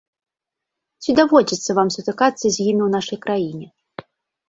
Ці даводзіцца вам сутыкацца з імі ў нашай краіне?